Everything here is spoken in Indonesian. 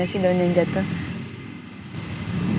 kamu liat nggak sih daun yang jatuh